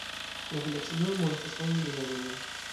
La vilaĝnomo estas familia nomo.